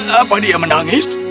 apa dia menangis